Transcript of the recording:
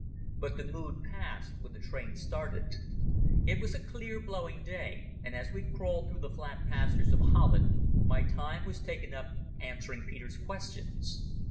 But the mood passed when the train started. It was a clear blowing day, and as we crawled through the flat pastures of Holland my time was taken up answering Peter's questions.